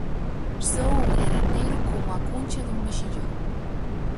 Só un era negro como a cuncha dun mexillón.